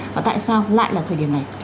và tại sao lại là thời điểm này